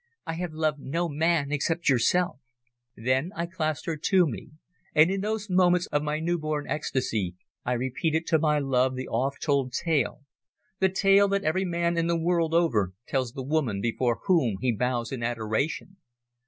"I have loved no man except yourself." Then I clasped her to me, and in those moments of my new born ecstasy I repeated to my love the oft told tale the tale that every man the world over tells the woman before whom he bows in adoration.